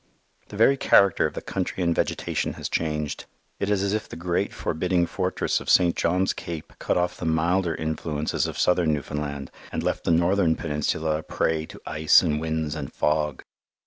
The very character of the country and vegetation has changed. It is as if the great, forbidding fortress of St. John's Cape cut off the milder influences of southern Newfoundland, and left the northern peninsula a prey to ice and winds and fog.